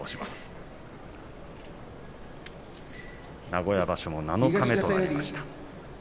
名古屋場所も七日目となりました。